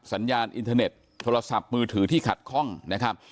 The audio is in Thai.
สัญญาณอินเทอร์เน็ตโทรศัพท์มือถือที่ขัดข้องนะครับ